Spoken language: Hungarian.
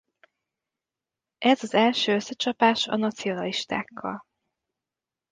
Ez az első összecsapás a nacionalistákkal.